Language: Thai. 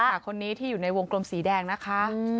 เนี่ยค่ะคนนี้ที่อยู่ในวงกลมสีแดงนะคะ